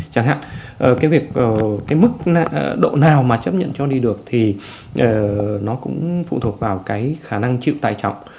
chẳng hạn cái mức độ nào mà chấp nhận cho đi được thì nó cũng phụ thuộc vào cái khả năng chịu tải trọng